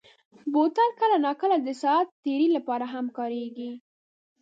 بوتل کله ناکله د ساعت تېرۍ لپاره هم کارېږي.